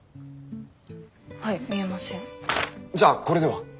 じゃあこれでは？